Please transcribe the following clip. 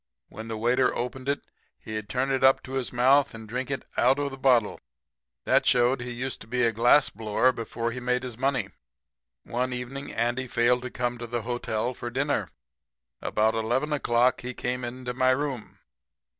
When the waiter opened it he'd turn it up to his mouth and drink it out of the bottle. That showed he used to be a glassblower before he made his money. "One evening Andy failed to come to the hotel for dinner. About 11 o'clock he came into my room.